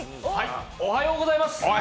おはようございます。